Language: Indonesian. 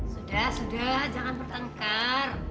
sudah sudah jangan bertengkar